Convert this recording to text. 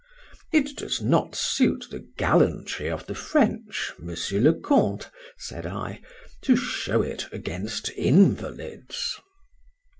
—It does not suit the gallantry of the French, Monsieur le Count, said I, to show it against invalids.